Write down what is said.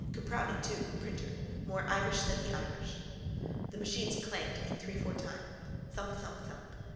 Cuprani too, printer. More Irish than the Irish. The machines clanked in threefour time. Thump, thump, thump.